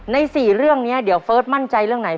ใน๔เรื่องนี้เดี๋ยวเฟิร์สมั่นใจเรื่องไหน